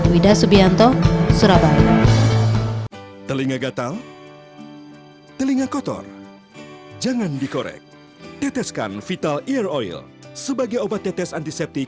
widah subianto surabaya